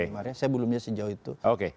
saya belum melihat sejauh itu